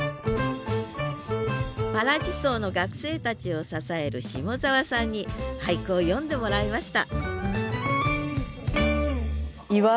わらじ荘の学生たちを支える下沢さんに俳句を詠んでもらいました